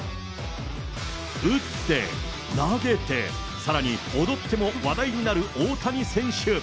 打って、投げて、さらに踊っても話題になる大谷選手。